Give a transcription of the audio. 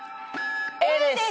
Ａです！